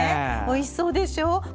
おいしそうでしょ。